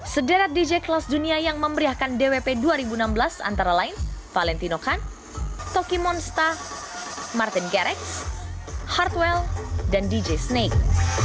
sederet dj kelas dunia yang memberiakan dwp dua ribu enam belas antara lain valentino kan toki monsta martin kerrex hardwell dan dj snake